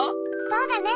そうだね。